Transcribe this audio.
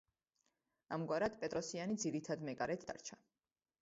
ამგვარად, პეტროსიანი ძირითად მეკარედ დარჩა.